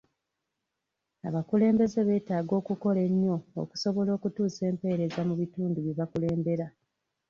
Abakulembeze betaaga okukola ennyo okusobola okutuusa empereza mu bitundu byebakulembera.